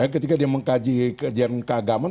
ketika dia mengkaji kajian keagamaan